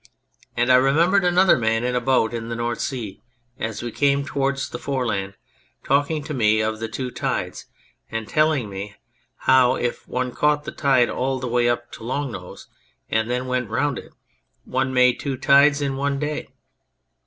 And I remember another man in a boat in the North Sea, as we came towards the Foreland, talking to me of the two tides, and telling me how if one caught the tide all the way up to Long Nose and then went round it, one made two tides in one day.